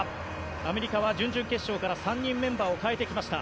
アメリカは準々決勝から３人、メンバーを代えてきました。